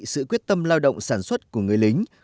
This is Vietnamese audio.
sự quyết tâm lao động sản xuất của người lính